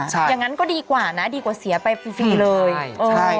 อย่างนั้นก็ดีกว่านะดีกว่าเสียไปฟิฟิเลย